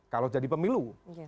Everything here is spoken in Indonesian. kalau jadi pemilu